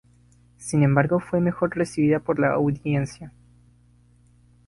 Sin embargo, fue mejor recibida por la audiencia.